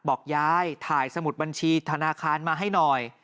บอกยายถ่ายสมุดบัญชีธนาคารมาให้หน่อย